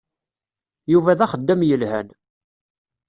Yuba d axeddam yelhan.